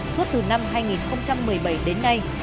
suốt từ năm hai nghìn một mươi bảy đến nay